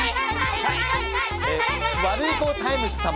ワルイコタイムス様。